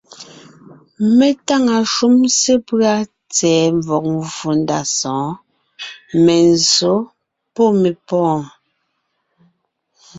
Mé táŋa shúm sepʉ́a tsɛ̀ɛ mvɔ̀g mvfò ndá sɔ̌ɔn: menzsǒ pɔ́ mepɔ̀ɔn.